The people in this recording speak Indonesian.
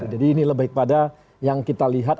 jadi ini lebih kepada yang kita lihat